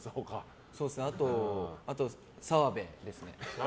あと、澤部ですね。